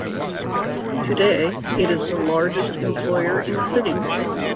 Today, it is the largest employer in the city.